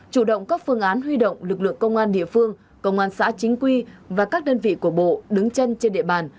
chủ động các phương án huy động lực lượng công an địa phương công an xã chính quy và các đơn vị của bộ đứng chân trên địa bàn